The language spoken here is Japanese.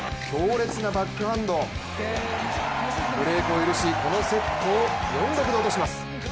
強烈なバックハンド、ブレークを許し、このセットを４−６で落とします